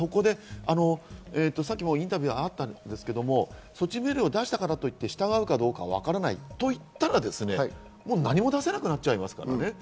さっきもインタビューにあったんですけど、措置命令を出したからといって、従うかどうかわからないといったら、もう何も出せなくなっちゃう。